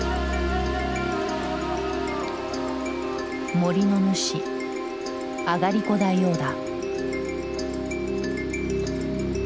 森の主あがりこ大王だ。